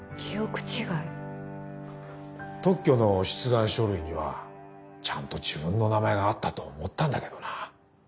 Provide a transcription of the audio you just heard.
特許の出願書類にはちゃんと自分の名前があったと思ったんだけどな。